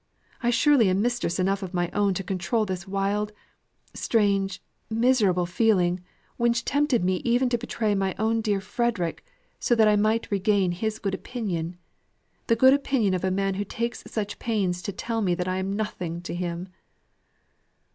I surely am mistress enough of myself to control this wild, strange, miserable feeling, which tempted me even to betray my own dear Frederick, so that I might but regain his good opinion the good opinion of a man who takes such pains to tell me that I am nothing to him.